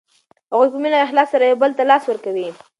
هغوی په مینه او اخلاص سره یو بل ته لاس ورکوي.